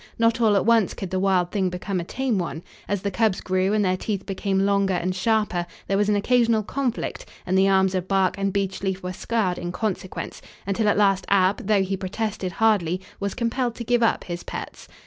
Not all at once could the wild thing become a tame one. As the cubs grew and their teeth became longer and sharper, there was an occasional conflict and the arms of Bark and Beech Leaf were scarred in consequence, until at last Ab, though he protested hardly, was compelled to give up his pets.